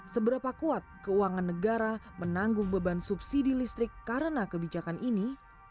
seberapa kuat keuangan negara menanggung beban subsidi listrik karena kebijakan ini